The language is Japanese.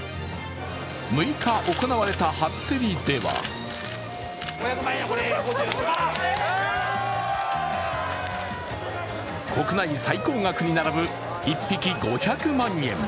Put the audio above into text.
６日行われた初競りでは国内最高額に並ぶ１匹５００万円。